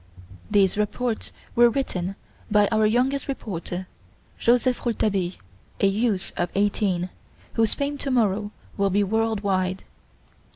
These reports were written by our youngest reporter, Joseph Rouletabille, a youth of eighteen, whose fame to morrow will be world wide.